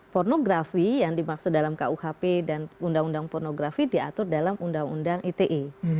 pornografi yang dimaksud dalam kuhp dan undang undang pornografi diatur dalam undang undang ite